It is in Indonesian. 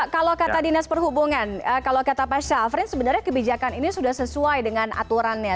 kalau kata dinas perhubungan kalau kata pak syafrin sebenarnya kebijakan ini sudah sesuai dengan aturannya